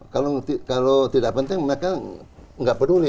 kalau tidak penting mereka nggak peduli